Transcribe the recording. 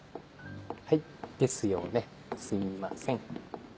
はいですよねすいません。